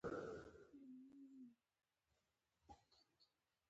اکبر زمینداوری د مخکښو شاعرانو له جملې څخه وو.